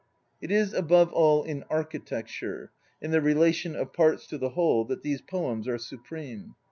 It is above all in "architecture," in the relation of parts to the whole, that these poems are supreme.